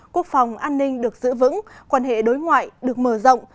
quốc phòng an ninh được giữ vững quan hệ đối ngoại được mở rộng